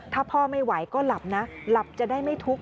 ถ้าพ่อไม่ไหวก็หลับนะหลับจะได้ไม่ทุกข์